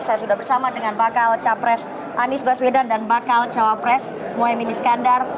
saya sudah bersama dengan bakal capres anis baswedan dan bakal capres mohamed iskandar